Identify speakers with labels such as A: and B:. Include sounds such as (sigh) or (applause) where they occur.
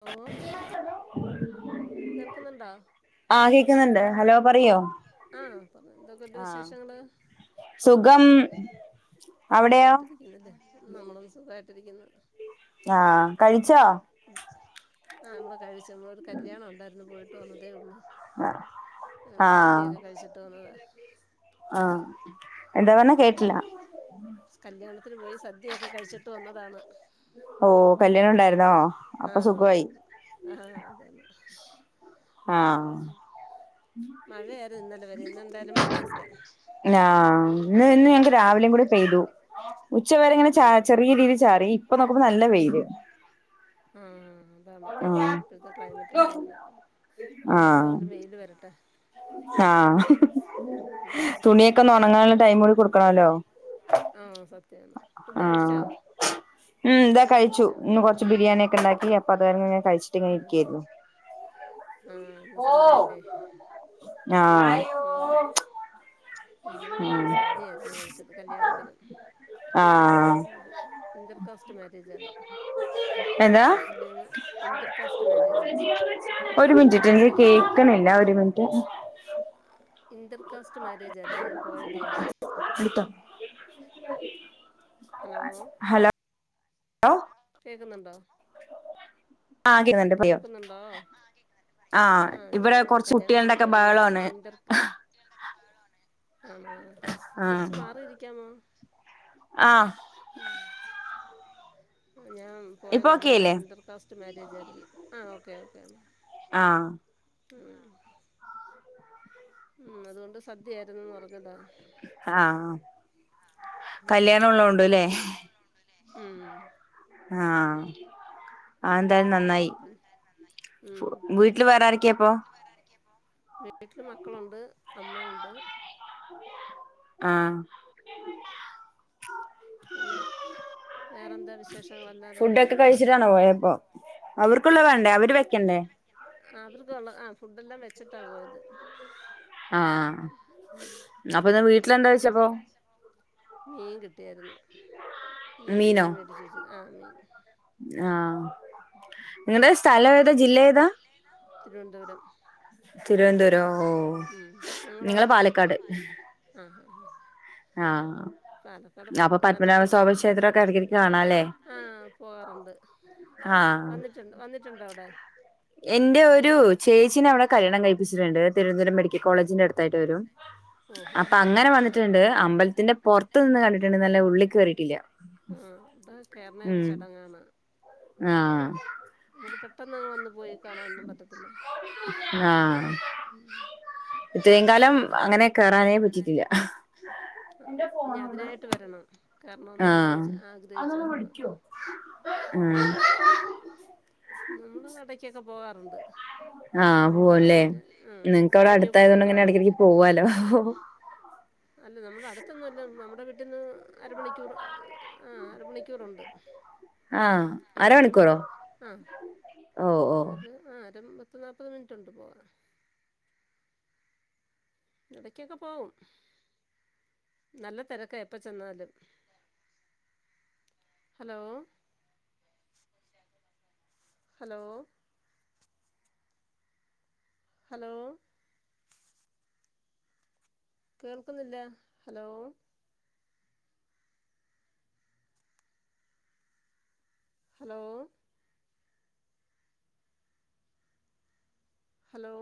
A: ഓ കേൾക്കുന്നുണ്ടോ
B: ആ കേക്കുന്നുണ്ട് ഹലോ പറയോ
A: ആ എന്തൊക്കെണ്ട്
B: ആഹ്
A: വിശേഷങ്ങള്
B: സുഖം അവിടെയോ
A: സുഖട്ടരിക്കുന്നില്ലേ നമ്മളും സുഖ (inaudible)
B: ആ കഴിച്ചോ
A: (unintelligible) കഴിച്ച്. നമ്മള ഒരു കല്യാണം ഉണ്ടായിരുന്നു പോയിട്ട് വിട്ട് വന്നതേ ഉള്ളൂ അങ്ങനെ
B: ആഹ്
A: സദ്യൊക്കെ കഴിച്ചിട്ട് വന്നത
B: ആഹ് എന്താ പറഞ്ഞെ കേട്ടില്ല
A: കല്യാണത്തിന് പോയി സദ്യൊക്കെ കഴിച്ചിട്ട് വന്നതാണ്
B: ഓ കല്യാണം ണ്ടായിരുന്നോ അപ്പൊ
A: ആഹ്
B: സുഖമായി.
A: ഉണ്ടായിരുന്നു ആഹ് അതാണ്
B: ആ
A: ഉം മഴയായിരുന്നു ഇന്നലെ വരെ ഇന്നെന്തായാലും മഴയില്ല
B: ആ ഇന്ന് ഇന്ന് ഞങ്ങക്ക് രാവിലെയും കൂടെ പെയ്തു. ഉച്ചവേരെ ഇങ്ങനെ ച
A: ആണോ
B: ചെറിയ രീതിൽ ചാറി ഇപ്പൊ നോക്കുമ്പോ നല്ല വെയില്
A: ആഹ അത
B: ആഹ്
A: ഇപ്പോഴത്തെ ക്ലൈമറ്റ ഒക്കെ അങ്ങനെ വല്ലപ്പോഴെങ്കിലും വെയില് വരട്ടെ
B: ആ തുണിയൊക്കെ
A: ഫുഡ്
B: ഉണങ്ങാനുള്ള ടൈം കൂടി കൊടുക്കണല്ലോ
A: ആഹ് സത്യാണ് ഫുഡ്
B: ആഹ
A: കഴിച്ചോ
B: ഉ ഇതാ
A: ചോറ്
B: കഴിച്ചു
A: കഴിച്ചോ
B: ഇന്ന് കൊറച്ച് ബിരിയാണിൊക്കെ ഉണ്ടാക്കി അതെങ്ങനെ
A: ആഹ് ഇന്ന് സൺ‌ഡേ അല്ലേ
B: ആഹ്
A: ഉം നമ്മളും സദ്യയാരുന്നു കഴിച്ചത് കല്യാണത്തിന്
B: ആഹ്
A: ഇന്റർ കാസ്റ്റ് മാരേജ് ആരുന്നു
B: എന്താ
A: മുസ്‌ലിമും ഇന്റർ കസ്റ്റ് മാര്യേജ് ആണെന്ന്
B: ഒരു മിനിറ്റ്ട്ടോ എനിക്ക് കേക്കണില്ല ഒരു മിനിറ്റ്
A: ഇന്റർ കാസ്റ്റ് മാര്യേജ് ആരുന്നു ഞാൻ പോയതേ
B: ഇത് മതി
A: ഹലോ
B: ഹലോ ഓ
A: കേക്കുന്നുണ്ടോ
B: ആഹ് കേക്കുന്നുണ്ട് പറയോ
A: കേൾക്കുന്നൊണ്ടോ ആഹ്
B: ഇവിടെ
A: ഞാൻ
B: കൊറച്ച്
A: കല്യാണത്തിന്
B: കുട്ടികളുടെക്കെ
A: പോയതേ
B: ബഹളാണ്
A: ഇന്റർ ക ആണോ കൊറച്ച് മാറി ഇരിക്കാമോ
B: ആ
A: ഞാൻ പോയ
B: ഇപ്പൊ
A: കല്യണവേ
B: ഓക്കെയല്ലേ
A: ഇന്റർ കേസ്റ്റ് മാര്യേജ് ആരുന്നു ഓക്കേ ഓക്കേ എന്നാ
B: ആഹ്
A: ആ അത് കൊണ്ട് സദ്യ ആരുന്നു എന്ന് പറഞ്ഞതാ
B: ആഹ്
A: ഉം
B: കല്യാണം ഒള്ളക്കൊണ്ട്ലെ
A: ഉം
B: ആഹ് അ തെനന്നായി
A: ഉം
B: വീട്ടില് വേറെ ആരൊക്കെ ഇപ്പം
A: വീട്ടില് മക്കളൊണ്ട് അമ്മയൊണ്ട്
B: ആഹ്
A: പിന്നെ വിശേഷങ്ങള് എന്താണ്
B: ഫുഡൊക്കെ കഴിച്ചിട്ടാണോ പോയപ്പോ അവർക്കുള്ള വേണ്ടേ അവര് വെക്കണ്ടേ
A: അവർക്കൊള്ളെ ഫുഡ്‌ എല്ലാം വെ വെച്ചിട്ടാ പോയത്
B: ആഹ് അപ്പൊ ഇന്ന് വീട്ടിലെന്താ വെച്ചപ്പോ
A: മീൻ കിട്ടിയാരുന്നു ഇന്നലെ
B: മീനോ
A: മീൻ മേടിച്ചു വെച്ചു ആ മീൻ
B: ആഹ് നിങ്ങടെ സ്ഥലം ഏതാ ജില്ല ഏതാ
A: തിരുവനന്തപുരം
B: തിരുവനന്തപുരം ഓ
A: ഉം നിങ്ങളോ
B: നിങ്ങള് പാലക്കാട്
A: ആ ആഹ്
B: ആഹ്
A: പാലക്കാട്
B: അപ്പം
A: നല്ല
B: പത്മനാഭ
A: ചൂട്
B: സ്വാമി ക്ഷേത്രംഒക്കെ എടക്ക് എടക്ക്‌ കാണാംലെ
A: ആ പോകാറുണ്ട്
B: ആഹ്
A: വന്നിട്ടുണ്ട് വന്നിട്ടുണ്ടോ അവിടെ
B: എന്റെ ഒര് ചേച്ചീനെ അവ്ടെ കല്യാണം കഴിപ്പിച്ചിട്ടിണ്ട് തിരുവനന്തപുരം മെഡി ക്ക കോളേജിന്റെ അടുത്തായിട്ട് വരും
A: ഓഹോ
B: അപ്പം അങ്ങനെ വന്നിട്ട്ണ്ട് അമ്പലത്തിന്റെ പൊറത്ത് നിന്ന് കണ്ടിട്ടോണ്ട്ന്നല്ല ഉള്ളികേറീട്ടില്ല
A: മം അപ്പ കേറാണെ ഒരു ചടങ്ങാണ
B: ആഹ്
A: (unintelligible) പെട്ടെന്നങ്ങ് വന്ന് പോയി കാണാനൊന്നും പറ്റത്തില്ല
B: ആഹ്
A: മം
B: ഇത്രയും കാലം അങ്ങനെ കോറതെന്ന് റ്റിട്ടില്ല
A: ആഹ് ഞാൻ അതിനായിട്ട് വരണം കാരണമൊന്ന് ആലോചിച്ച്
B: ആഹ്
A: ആഗ്രഹിച്ച് വരണം
B: (unintelligible) ഉം
A: നമ്മള് അടക്കൊക്കെ പോവാ
B: ആഹ് പോവല്ലേ
A: ആ
B: നിനക്ക് അവിടെ
A: സാരിയൊക്കെ
B: അടുത്തായതുകൊണ്ട്
A: ഉടുത്തല്ലേ
B: ഇങ്ങനെ
A: പോകാൻ
B: ഇടക്കിറങ്ങി
A: പറ്റൂ
B: പോവാലോ
A: ആ അല്ല നമ്മുടെ അടുത്തൊന്നുംല്ല നമ്മുടെ വട്ടന്ന് അരമണിക്കൂർ ആഹ് അരമണിക്കൂറുണ്ട്
B: ആഹ്
A: ഉം, എന്നാലും പോ
B: അരമണിക്കൂറോ ഓ ഓ
A: ആരമ്പത്ത് നാപ്പത്‌ മിനിറ്റുണ്ട് പോവാ ഇടക്കൊക്കെ പോവും നല്ല തിരക്ക് എപ്പ ചെന്നാലും ഹലോ ഹലോ ഹലോ കേൾക്കുന്നില്ല ഹലോ ഹലോ ഹലോ